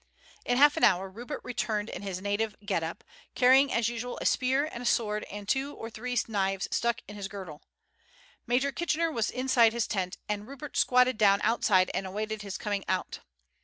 In half an hour Rupert returned in his native get up, carrying as usual a spear and a sword and two or three knives stuck into his girdle. Major Kitchener was inside his tent, and Rupert squatted down outside and awaited his coming out.